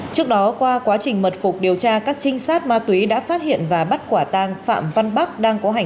trước đó qua quá trình mật phục điều tra các trinh sát ma túy đã phát hiện và bắt quả tang